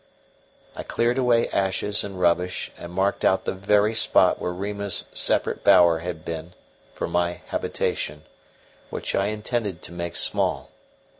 I cleared away ashes and rubbish, and marked out the very spot where Rima's separate bower had been for my habitation, which I intended to make small.